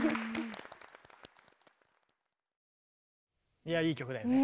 いやいい曲だよね。